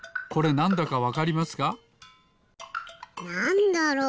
なんだろう？